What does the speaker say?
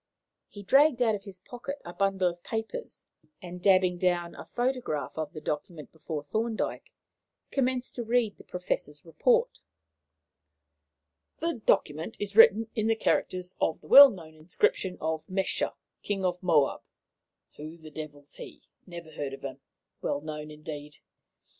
He dragged out of his pocket a bundle of papers, and, dabbing down a photograph of the document before Thorndyke, commenced to read the Professor's report. "'The document is written in the characters of the well known inscription of Mesha, King of Moab' (who the devil's he? Never heard of him. Well known, indeed!)